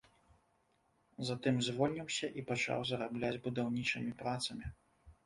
Затым звольніўся і пачаў зарабляць будаўнічымі працамі.